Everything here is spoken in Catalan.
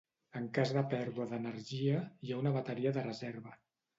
En cas de pèrdua d'energia, hi ha una bateria de reserva.